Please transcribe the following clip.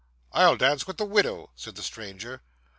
'I'll dance with the widow,' said the stranger.